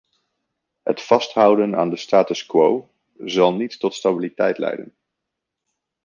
Het vasthouden aan de status quo zal niet tot stabiliteit leiden.